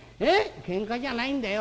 「けんかじゃないんだよ。